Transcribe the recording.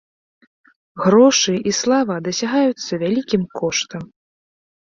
Грошы і слава дасягаюцца вялікім коштам.